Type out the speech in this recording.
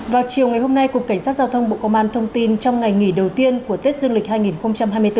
vào chiều ngày hôm nay cục cảnh sát giao thông bộ công an thông tin trong ngày nghỉ đầu tiên của tết dương lịch hai nghìn hai mươi bốn